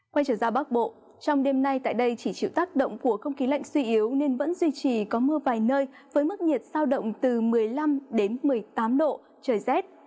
quay trở ra bắc bộ trong đêm nay tại đây chỉ chịu tác động của không khí lạnh suy yếu nên vẫn duy trì có mưa vài nơi với mức nhiệt sao động từ một mươi năm một mươi tám độ trời rét